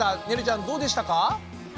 ねるちゃんどうでしたか？